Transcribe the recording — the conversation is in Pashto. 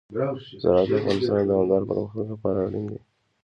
زراعت د افغانستان د دوامداره پرمختګ لپاره اړین دي.